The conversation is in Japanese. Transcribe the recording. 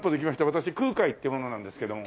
私空海って者なんですけども。